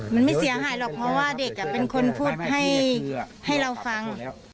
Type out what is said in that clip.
มันไม่เสียหายหรอกเพราะว่าเด็กเป็นคนพูดให้เราฟัง